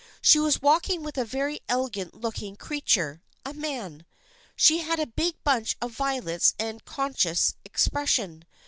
She was walking with a very elegant looking creature, a man. She had a big bunch of violets and a conscious expression.